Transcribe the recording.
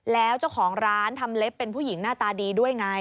แล้วเจ้าของร้านทำเล็บเป็นผู้หญิงหน้าตาดีด้วยไง